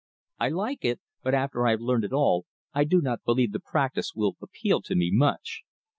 I like it; but after I have learned it all, I do not believe the practise will appeal to me much.